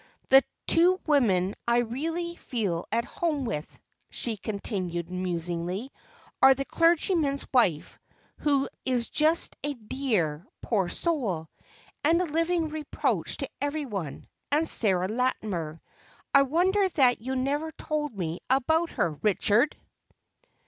"The two women I really feel at home with," she continued musingly, "are the clergyman's wife, who is just a dear, poor soul! and a living reproach to everyone, and Sarah Latimer. I wonder that you never told me about her, Richard."